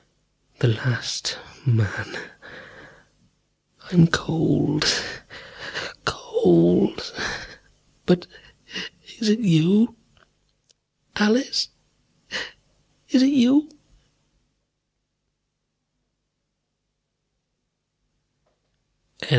The last man.... ... I am cold cold.... But is it you, Alice? Is it you?